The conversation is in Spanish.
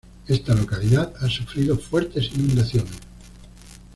Esta localidad ha sufrido fuertes inundaciones.